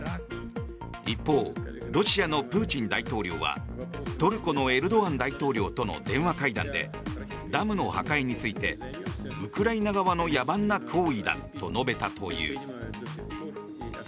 一方、ロシアのプーチン大統領はトルコのエルドアン大統領との電話会談で、ダムの破壊についてウクライナ側の野蛮な行為だと述べたという。